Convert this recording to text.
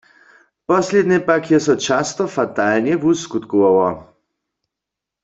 Poslednje pak je so často fatalnje wuskutkowało.